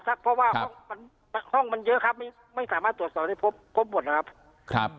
เพราะว่าห้องมันเยอะครับไม่สามารถตรวจสอบได้พบหมดนะครับ